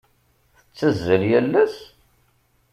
Tettazzal yal ass?